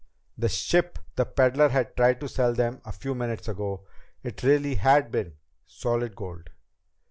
The ship the peddler had tried to sell them a few minutes ago! It really had been solid gold!